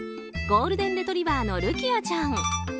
ゴールデンレトリバーのるきあちゃん。